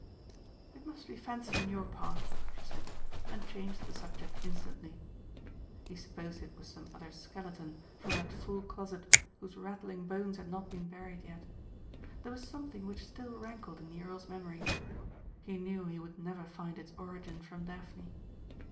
"It must be fancy on your part," she said and changed the subject instantly. He supposed it was some other skeleton, from that full closet, whose rattling bones had not been buried yet. There was something which still rankled in the earl's memory. He knew he would never find its origin from Daphne.